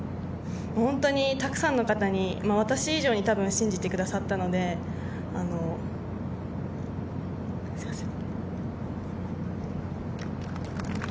本当にたくさんの方に、私以上にたぶん信じてくださったので、あの、すみません。